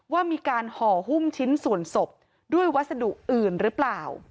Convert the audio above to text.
ว่ามีการห่อหุ้มชิ้นส่วนศพด้วยวัสดุอื่นหรือเปล่า